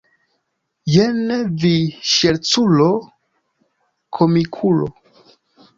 Jen vi ŝerculo, komikulo!